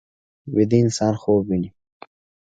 ویده انسان خوب ویني